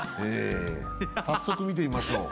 早速見てみましょう。